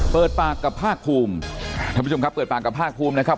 เปิดปากกับภาคภูมิท่านผู้ชมครับเปิดปากกับภาคภูมินะครับ